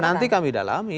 nanti kami dalami